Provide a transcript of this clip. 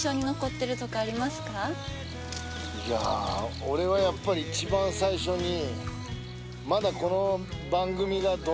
いやぁ俺はやっぱり一番最初に。